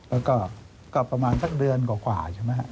แล้วก็ประมาณสักเดือนกว่าใช่ไหมครับ